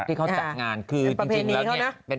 ที่เขาจัดงาน